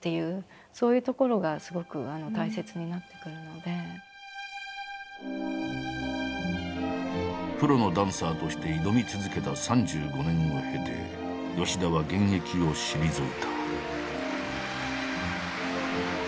でもやっぱりプロのダンサーとして挑み続けた３５年を経て吉田は現役を退いた。